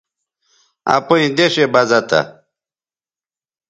اپئیں دیشےبزہ تھہ